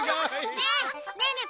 ねえねえ